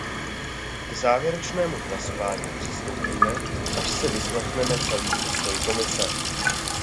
K závěrečnému hlasování přistoupíme, až si vyslechneme celý postoj Komise.